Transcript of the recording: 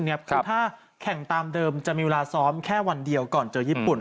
คือถ้าแข่งตามเดิมจะมีเวลาซ้อมแค่วันเดียวก่อนเจอญี่ปุ่น